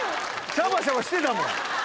シャバシャバしてたもん。